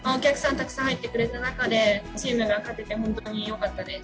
たくさん入ってくれた中で、チームが勝てて、本当によかったです。